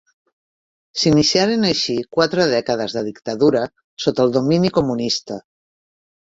S'iniciarien així quatre dècades de dictadura sota el domini comunista.